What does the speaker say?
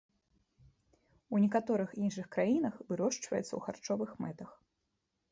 У некаторых іншых краінах вырошчваецца ў харчовых мэтах.